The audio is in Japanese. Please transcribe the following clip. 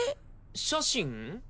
写真？